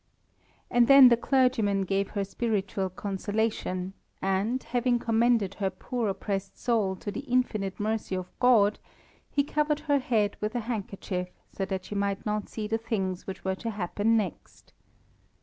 And then the clergyman gave her spiritual consolation, and, having commended her poor oppressed soul to the infinite mercy of God, he covered her head with a handkerchief so that she might not see the things which were to happen next.